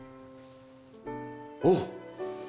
おっ！